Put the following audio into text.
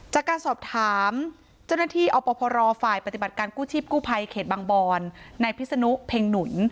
จากการสอบถามเจ้าหน้าที่อพรฝ่ายปฏิบัติการกู้ชีพกู้ภัยเขตบางบอนในพิศนุเพ็งหนุน